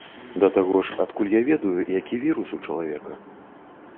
Да таго ж адкуль я ведаю, які вірус у чалавека?